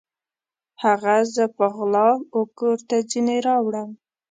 هغه زه په غلا وکور ته ځیني راوړم